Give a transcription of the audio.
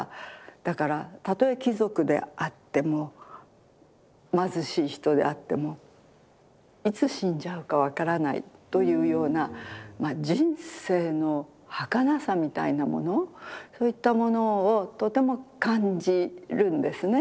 だからたとえ貴族であっても貧しい人であってもいつ死んじゃうか分からないというような人生のはかなさみたいなものそういったものをとても感じるんですね。